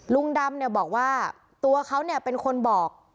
ลุงดำเนี่ยบอกว่าตัวเขาเนี่ยเป็นคนบอก